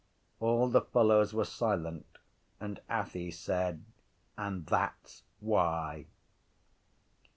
All the fellows were silent: and Athy said: —And that’s why.